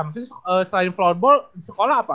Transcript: maksudnya selain flowball di sekolah apa